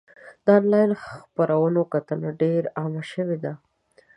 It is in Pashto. د انلاین خپرونو کتنه ډېر عامه شوې ده.